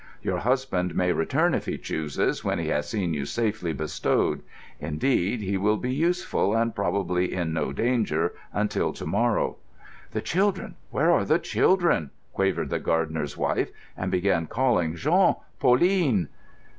Your husband may return if he chooses, when he has seen you safely bestowed. Indeed, he will be useful and probably in no danger until to morrow." "The children—where are the children?" quavered the gardener's wife, and began calling, "Jean! Pauline!"